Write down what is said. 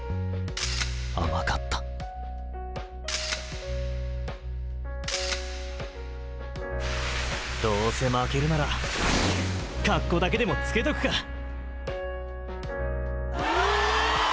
甘かったどうせ負けるならかっこだけでもつけとくか。